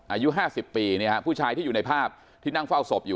อายุห้าสิบปีเนี่ยฮะผู้ชายที่อยู่ในภาพที่นั่งเฝ้าศพอยู่อ่ะ